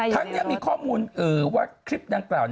ทั้งนี้มีข้อมูลว่าคลิปดังกล่าว